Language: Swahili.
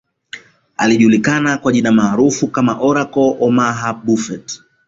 Akijulikana kwa jina maarufu kama Oracle Omaha Buffet